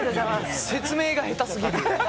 説明が下手すぎる。